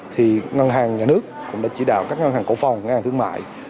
thì ngân hàng nhà nước cũng đã chỉ đạo các ngân hàng cổ phòng ngân hàng thương mại